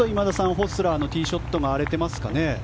ホスラーのティーショットが荒れていますかね。